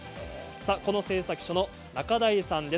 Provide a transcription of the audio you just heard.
この製作所の中臺さんです。